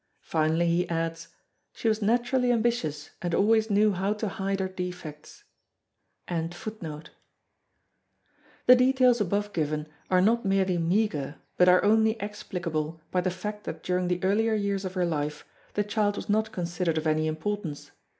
Finally he adds: "She was naturally ambitious and always knew how to hide her defects." The details above given are not merely meagre but are only explicable by the fact that during the earlier years of her life the child was not considered of any importance.